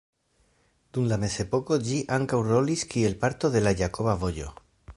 Dum la mezepoko ĝi ankaŭ rolis kiel parto de la Jakoba Vojo.